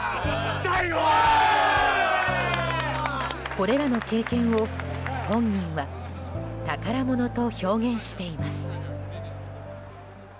これらの経験を本人は宝物と表現しています。